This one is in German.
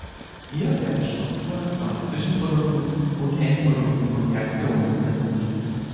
Hier werden Strukturen von Zwischenprodukten und Endprodukten von Reaktionen untersucht.